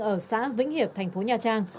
ở xã vĩnh hiệp thành phố nhà trang